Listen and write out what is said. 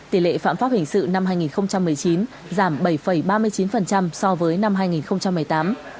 tỷ lệ phạm pháp hình sự năm hai nghìn một mươi chín giảm bảy ba mươi chín so với năm hai nghìn một mươi tám